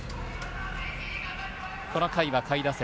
この回は下位打線